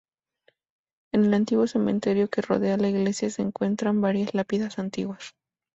En el antiguo cementerio que rodea la iglesia, se encuentran varias lápidas antiguas.